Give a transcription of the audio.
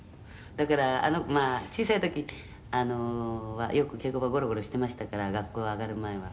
「だからまあ小さい時はよく稽古場をゴロゴロしてましたから学校上がる前は」